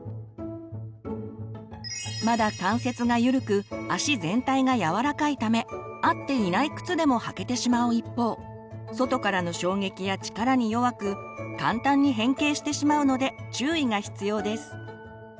まだ関節がゆるく足全体がやわらかいため合っていない靴でも履けてしまう一方外からの衝撃や力に弱く簡単に変形してしまうので注意が必要です。